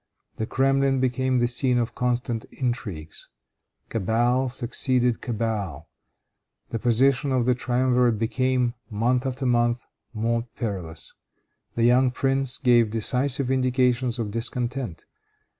The Kremlin became the scene of constant intrigues. Cabal succeeded cabal. The position of the triumvirate became, month after month, more perilous. The young prince gave decisive indications of discontent.